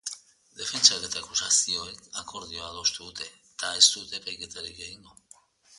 Defentsak eta akusazioek akordioa adostu dute, eta ez dute epaiketarik egingo.